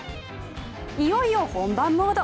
いよいよ本番モード。